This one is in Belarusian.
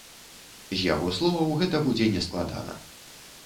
З яго словаў, гэта будзе нескладана.